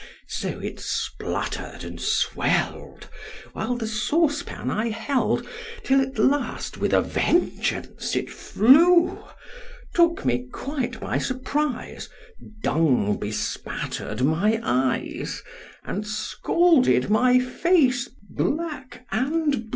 So it spluttered and swelled, while the saucepan I held, till at last with a vengeance it flew: Took me quite by surprise, dung bespattered my eyes, and scalded my face black and blue!